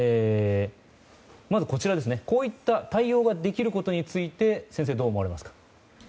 こういった対応ができることについて先生、どう思われますか？